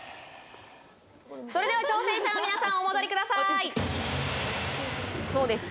それでは挑戦者の皆さんお戻りくださーいそうです